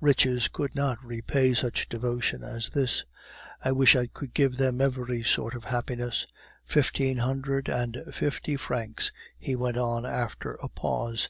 Riches could not repay such devotion as this. I wish I could give them every sort of happiness! Fifteen hundred and fifty francs," he went on after a pause.